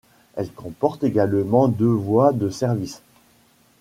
Elle comporte également deux voies de service.